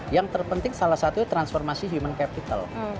yang terpenting salah satunya transformasi human capital